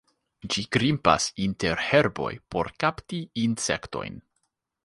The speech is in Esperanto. Ĝi grimpas inter herboj por kapti insektojn.